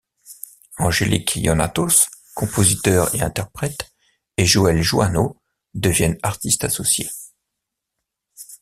Angélique Ionatos, compositeur et interprète, et Joël Jouanneau deviennent artistes associés.